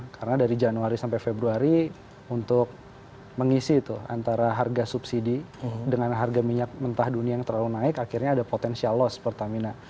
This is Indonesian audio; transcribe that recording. karena dari januari sampai februari untuk mengisi itu antara harga subsidi dengan harga minyak mentah dunia yang terlalu naik akhirnya ada potensial loss pertamina